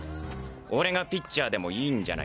俺がピッチャーでもいいんじゃないか？